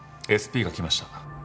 ＳＰが来ました。